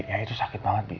ya itu sakit banget